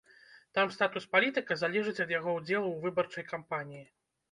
Там статус палітыка залежыць ад яго ўдзелу ў выбарчай кампаніі.